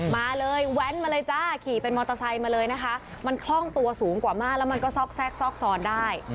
มาเลยแว้นมาเลยจ้าขี่เป็นมอเตอร์ไซค์มาเลยนะคะมันคล่องตัวสูงกว่ามากแล้วมันก็ซอกแทรกซอกซ้อนได้